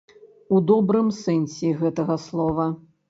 У добрым сэнсе гэтага слова.